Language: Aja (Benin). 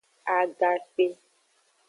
Agakpe.